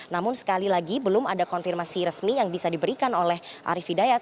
namun sekali lagi belum ada konfirmasi resmi yang bisa diberikan oleh arief hidayat